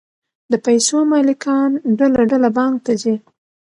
د پیسو مالکان ډله ډله بانک ته ځي